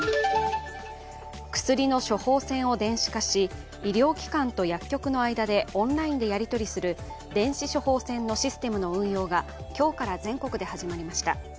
薬の処方箋を電子化し医療機関と薬局の間でオンラインでやりとりする電子処方箋のシステムの運用が今日から全国で始まりました。